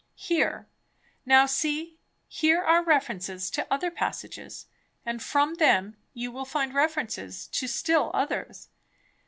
here; now see, here are references to other passages, and from them you will find references to still others.